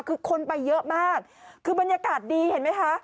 คือคนไปเยอะมากคือบรรยากาศดีเห็นไหมคะ